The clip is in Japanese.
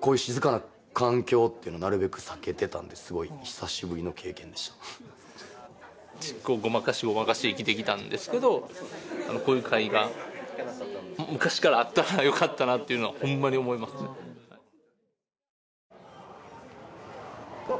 こういう静かな環境っていうのなるべく避けてたんですごい久しぶりの経験でしたチックをごまかしごまかし生きてきたんですけどこういう会が昔からあったらよかったなっていうのはホンマに思いますねあっ